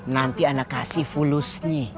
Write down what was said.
nanti ana kasih fulusnya